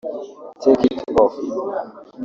‘Take it off’